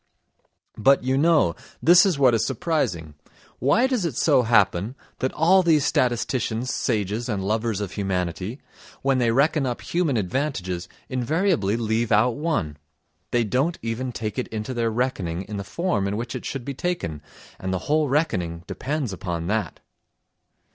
But, you know, this is what is surprising: why does it so happen that all these statisticians, sages and lovers of humanity, when they reckon up human advantages invariably leave out one? They don't even take it into their reckoning in the form in which it should be taken, and the whole reckoning depends upon that.